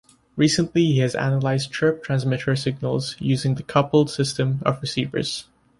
Recently he has analyzed Chirp Transmitter signals using the coupled system of receivers.